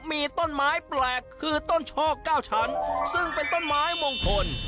มีต้นไม้แปลกคือต้นโชค๙ชั้นซึ่งเป็นต้นไม้มงคล